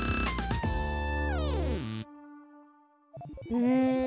うん。